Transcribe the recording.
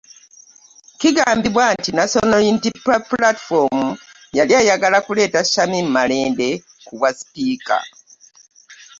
Kigambibwa nti National Unity Platform yali eyagala kuleeta Shamim Malende ku bwa sipiika